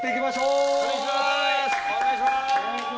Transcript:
お願いします。